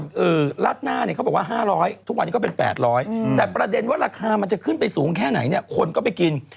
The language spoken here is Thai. คือราดหน้าเนี่ยเขาบอกว่า๕๐๐ทุกวันนี้ก็เป็น๘๐๐แต่ประเด็นว่าราคามันจะขึ้นไปสูงแค่ไหนเนี่ยคนก็ไปกิน